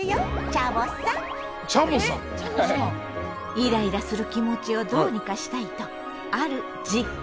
イライラする気持ちをどうにかしたいとある「実験」をしているそうよ。